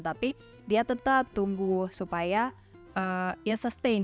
tapi dia tetap tunggu supaya ya sustain